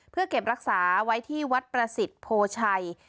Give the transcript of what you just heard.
เพื่อเก็บรักษาไว้ที่วัดประสิทธิ์โพชัย